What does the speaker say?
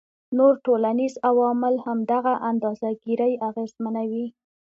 نور ټولنیز عوامل هم دغه اندازه ګيرۍ اغیزمنوي